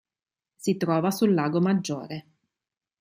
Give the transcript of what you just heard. Si trova sul Lago Maggiore.